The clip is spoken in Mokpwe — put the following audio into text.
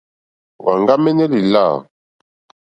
Wàŋɡámɛ́nɛ́ lìlâ.